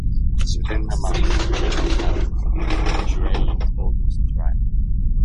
Within a month, it had drained almost dry.